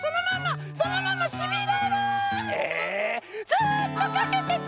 ずっとかけてて！